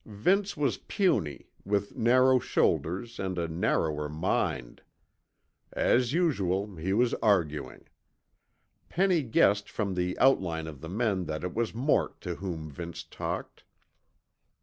Vince was puny, with narrow shoulders and a narrower mind. As usual, he was arguing. Penny guessed from the outline of the men that it was Mort to whom Vince talked.